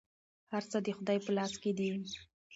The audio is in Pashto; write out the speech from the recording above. هر څه د خدای په لاس کې دي.